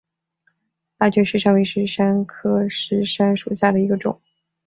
拉觉石杉为石杉科石杉属下的一个种。